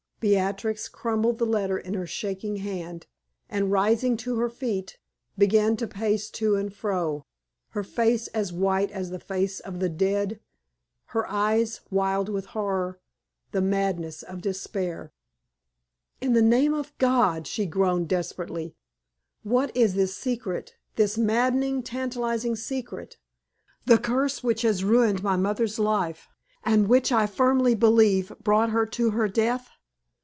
Beatrix crumpled the letter in her shaking hand, and rising to her feet, began to pace to and fro, her face as white as the face of the dead, her eyes wild with horror the madness of despair. "In the name of God," she groaned, desperately, "what is this secret this maddening, tantalizing secret the curse which has ruined my mother's life, and which I firmly believe brought her to her death?